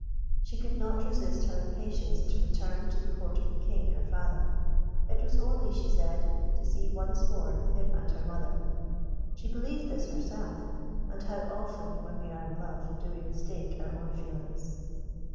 She could not resist her impatience to return to the Court of the King, her father. It was only, she said, to see once more him and her mother. She believed this herself; and how often, when we are in love, do we mistake our own feelings!